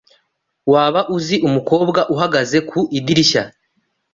Waba uzi umukobwa uhagaze ku idirishya?